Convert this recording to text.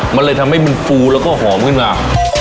มันเลยทำให้มันฟูแล้วก็หอมขึ้นมา